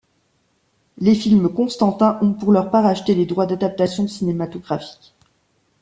Les films Constantin ont, pour leur part, acheté les droits d’adaptation cinématographique.